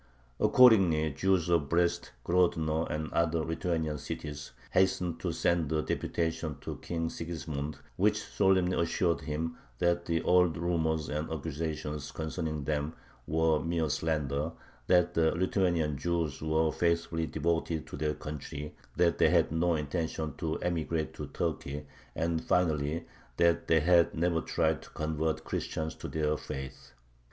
Accordingly Jews of Brest, Grodno, and other Lithuanian cities, hastened to send a deputation to King Sigismund, which solemnly assured him that all the rumors and accusations concerning them were mere slander, that the Lithuanian Jews were faithfully devoted to their country, that they had no intention to emigrate to Turkey, and, finally, that they had never tried to convert Christians to their faith.